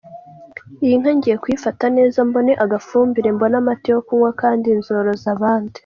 Iyi nka ngiye kuyifata neza mbone agafumbire, mbone amata yo kunywa, kandi nzoroza abandi”.